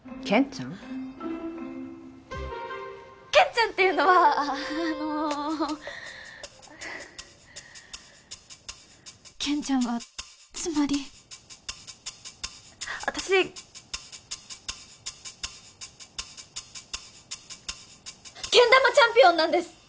けんちゃんっていうのはあの健ちゃんはつまり私けん玉チャンピオンなんです！